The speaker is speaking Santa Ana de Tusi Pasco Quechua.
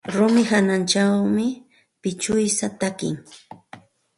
Rumi hawanćhawmi pichiwsa taki.